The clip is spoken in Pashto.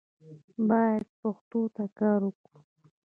باید پښتو ته کار وکړو